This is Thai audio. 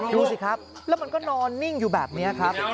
ดูสิครับแล้วมันก็นอนนิ่งอยู่แบบนี้ครับ